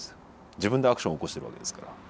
自分でアクション起こしてるわけですから。